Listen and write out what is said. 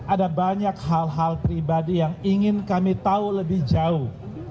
ada banyak hal hal pribadi yang ingin kami tahu lebih jauh